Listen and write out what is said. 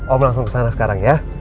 om langsung kesana sekarang ya